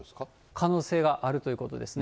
可能性があるということですね。